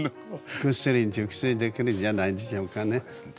ぐっすり熟睡できるんじゃないでしょうかね。